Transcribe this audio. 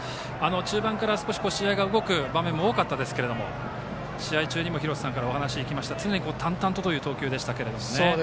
中盤から試合が動く場面が多かったですけれども試合中にも廣瀬さんからお話を聞きましたが常に淡々とという投球でしたね。